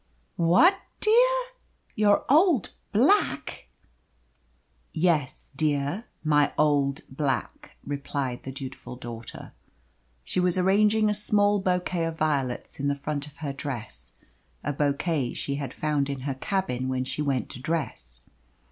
"What, dear? Your old black!" "Yes, dear, my old black," replied the dutiful daughter. She was arranging a small bouquet of violets in the front of her dress a bouquet she had found in her cabin when she went to dress.